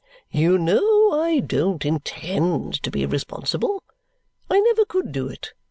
"You know I don't intend to be responsible. I never could do it.